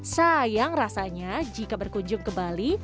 sayang rasanya jika berkunjung ke bali